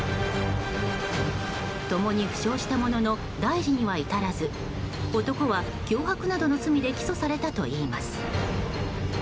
共に負傷したものの大事には至らず男は、脅迫などの罪で起訴されたといいます。